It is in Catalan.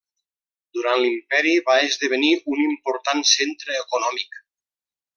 Durant l'imperi va esdevenir un important centre econòmic.